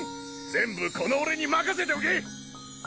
全部この俺に任せておけ！